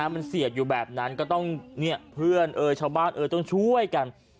มันเสียบอยู่แบบนั้นก็ต้องเพื่อนชาวบ้านต้องช่วยกัน